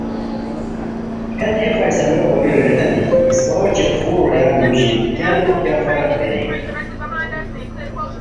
ہیت ہے فیصلو کوری ریتانی کی اسپہ اوچے خور رویان موژی کیہ نو کیہ فرق بیلیک